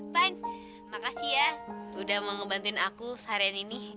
times makasih ya udah mau ngebantuin aku seharian ini